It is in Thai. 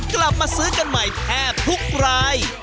กลับมาซื้อกันใหม่แทบทุกราย